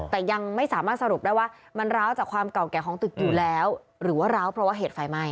แต่ยังไม่สามารถสรุปได้ว่ามันร้าวจากความเก่าแก่ของตึกอยู่แล้วหรือว่าร้าวเพราะว่าเหตุไฟไหม้